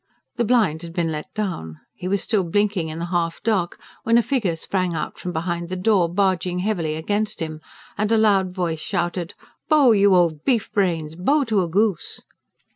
The blind had been let down. He was still blinking in the half dark when a figure sprang out from behind the door, barging heavily against him, and a loud voice shouted: "Boh, you old beef brains! Boh to a goose!"